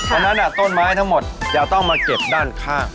เพราะฉะนั้นต้นไม้ทั้งหมดจะต้องมาเก็บด้านข้าง